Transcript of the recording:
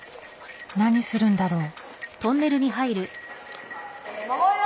何するんだろう？